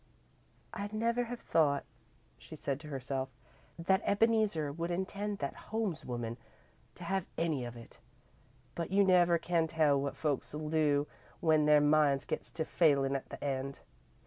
"I'd never have thought," she said to herself, "that Ebeneezer would intend that Holmes woman to have any of it, but you never can tell what folks'll do when their minds gets to failin' at the end.